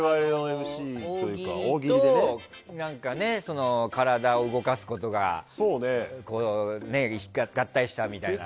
大喜利と体を動かすことが合体したみたいな。